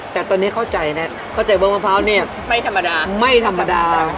แต่ตอนนี้เข้าใจนะเข้าใจว่ามะพร้าวเนี่ยไม่ธรรมดาไม่ธรรมดา